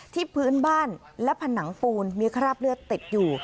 พื้นบ้านและผนังปูนมีคราบเลือดติดอยู่